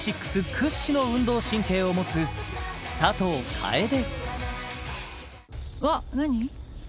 屈指の運動神経を持つ佐藤楓わっ何？